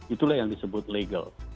itulah yang disebut legal